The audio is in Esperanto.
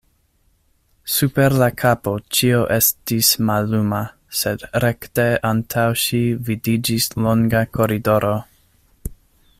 Super la kapo ĉio estis malluma, sed rekte antaŭ ŝi vidiĝis longa koridoro.